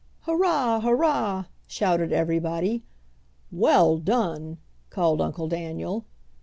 "Hurrah! hurrah!" shouted everybody. "Well done!" called Uncle Daniel.